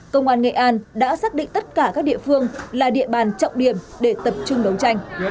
công an nghệ an đã xác định tất cả các địa phương là địa bàn trọng điểm để tập trung đấu tranh